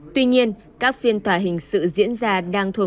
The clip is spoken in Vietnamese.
tuy nhiên các phiên tòa hình sự diễn ra đang thuộc